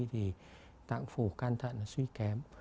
thì tạng phủ can thận suy kém